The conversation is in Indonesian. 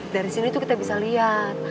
dari sini tuh kita bisa liat